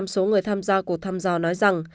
năm mươi số người tham gia cuộc thăm dò nói rằng